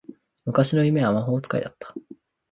昔の夢は魔法使いだった